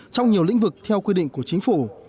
trong nhiều lĩnh vực theo quy định của chính phủ